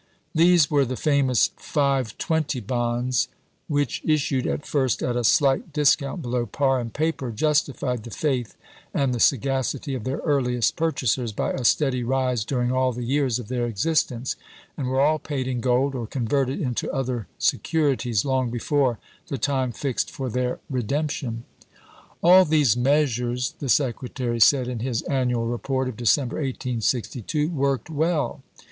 These were the famous " five twenty" bonds, which, issued at first at a slight discount below par in paper, justified the faith and the sagacity of their earliest purchasers by a steady rise during all the years of their existence, and were all paid in gold, or converted into other securities, long before the time fixed for their redemption. "All these measures," the Secretary said in his annual report of December, 1862, "worked well."